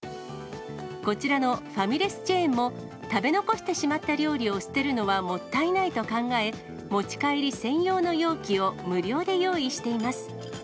こちらのファミレスチェーンも、食べ残してしまった料理を捨てるのはもったいないと考え、持ち帰り専用の容器を無料で用意しています。